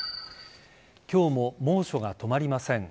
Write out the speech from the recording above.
今日も猛暑が止まりません。